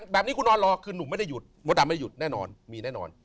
แบบนี้คุณนอนรอคือหนุ่มไม่ได้หยุดมดดำไม่หยุดแน่นอนมีแน่นอน